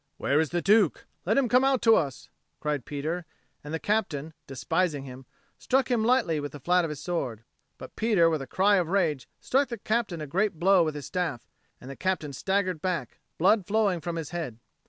"Where is the Duke? Let him come out to us!" cried Peter; and the captain, despising him, struck him lightly with the flat of his sword. But Peter with a cry of rage struck the captain a great blow with his staff, and the captain staggered back, blood flowing from his head.